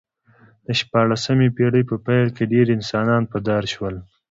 د شپاړسمې پېړۍ په پیل کې ډېر انسانان په دار شول